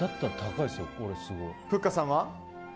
ふっかさんは？